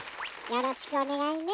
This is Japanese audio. よろしくおねがいね。